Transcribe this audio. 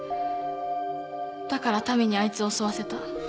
だから多美にあいつを襲わせた。